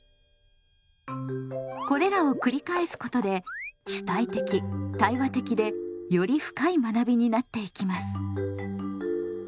これらを繰り返すことで主体的対話的でより深い学びになっていきます。